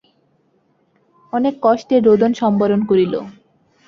অনেক কষ্টে রােদন সম্বরণ করিল।